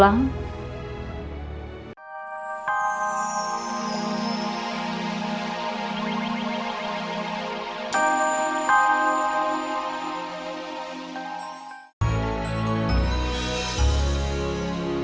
years hari terakhir